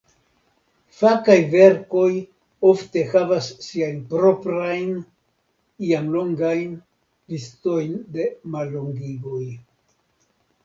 Fakaj verkoj ofte havas siajn proprajn, iam longajn, listojn de mallongigoj.